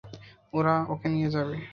ওরা ওকে নিয়ে যাবে।